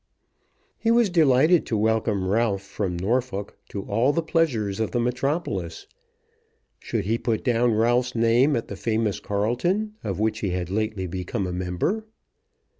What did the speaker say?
He was delighted to welcome Ralph from Norfolk to all the pleasures of the metropolis. Should he put down Ralph's name at the famous Carlton, of which he had lately become a member?